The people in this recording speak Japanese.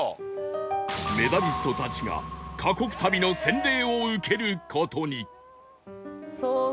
メダリストたちが過酷旅の洗礼を受ける事に